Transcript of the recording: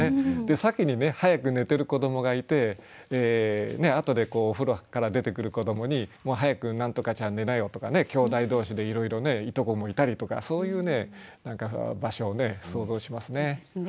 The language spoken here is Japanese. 先に早く寝てる子どもがいてあとでお風呂から出てくる子どもに「早く何とかちゃん寝なよ」とかきょうだい同士でいろいろねいとこもいたりとかそういうね何か場所を想像しますね。ですね。